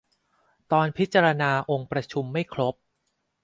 ตอนพิจารณาองค์ประชุมไม่ครบ